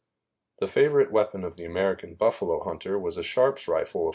The favorite weapon of the American buffalo hunter was a Sharps rifle of